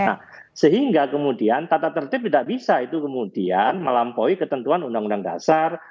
nah sehingga kemudian tata tertib tidak bisa itu kemudian melampaui ketentuan undang undang dasar